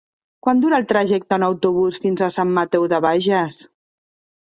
Quant dura el trajecte en autobús fins a Sant Mateu de Bages?